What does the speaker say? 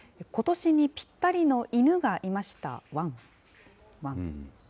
ことしにぴったりの犬がいました、ワン。